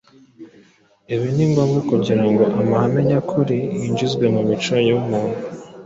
Ibi ni ngombwa kugira ngo amahame nyakuri yinjizwe mu mico y’umuntu.